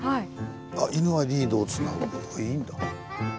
あっ「犬はリードをつなぐ」いいんだ。